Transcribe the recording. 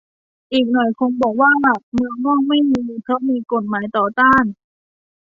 อีกหน่อยคงบอกว่าเมืองนอกไม่มี เพราะมีกฎหมายต่อต้าน